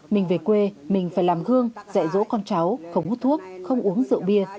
mình về quê mình phải làm gương dạy dỗ con cháu không hút thuốc không uống rượu bia